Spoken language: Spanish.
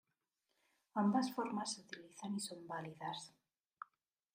Ambas formas se utilizan y son válidas.